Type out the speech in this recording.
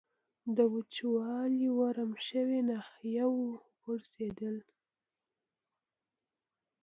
د وچولې ورم شوې ناحیه و پړسېدل.